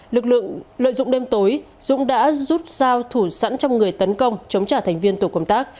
lực lượng lợi dụng đêm tối dũng đã rút sao thủ sẵn trong người tấn công chống trả thành viên tổ công tác